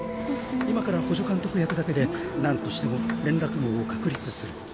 今から補助監督役だけでなんとしても連絡網を確立する。